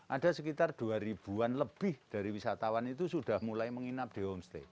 ada sekitar dua ribu an lebih dari wisatawan itu sudah mulai menginap di homestay